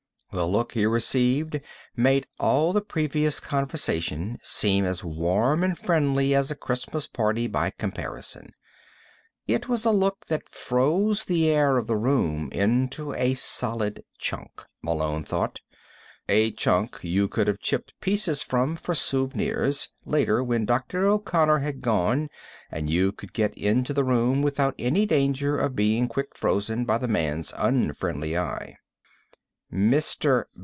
The look he received made all the previous conversation seem as warm and friendly as a Christmas party by comparison. It was a look that froze the air of the room into a solid chunk, Malone thought, a chunk you could have chipped pieces from, for souvenirs, later, when Dr. O'Connor had gone and you could get into the room without any danger of being quick frozen by the man's unfriendly eye. "Mr.